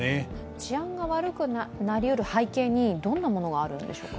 治安が悪くなりうる背景にどんなものがあるんでしょうか。